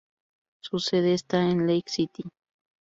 Su sede está en Lake City.